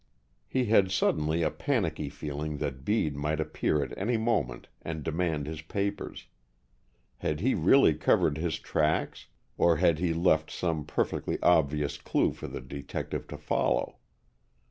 He had suddenly a panicky feeling that Bede might appear at any moment and demand his papers. Had he really covered his tracks, or had he left some perfectly obvious clue for the detective to follow?